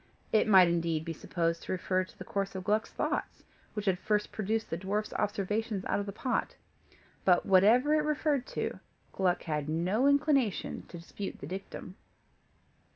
It might indeed be supposed to refer to the course of Gluck's thoughts, which had first produced the dwarf's observations out of the pot; but whatever it referred to, Gluck had no inclination to dispute the dictum.